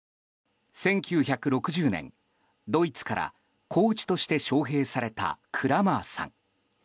１９６０年、ドイツからコーチとして招聘されたクラマーさん。